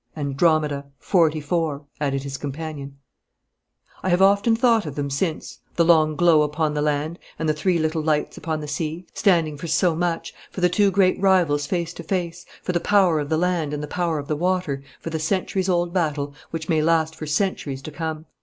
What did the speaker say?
'Andromeda. Forty four,' added his companion. I have often thought of them since, the long glow upon the land, and the three little lights upon the sea, standing for so much, for the two great rivals face to face, for the power of the land and the power of the water, for the centuries old battle, which may last for centuries to come.